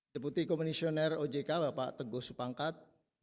deputi komisioner ojk bapak teguh supangkat